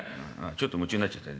「ちょっと夢中になっちゃった。